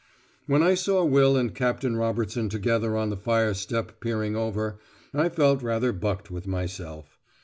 When I saw Will and Captain Robertson together on the fire step peering over, I felt rather bucked with myself.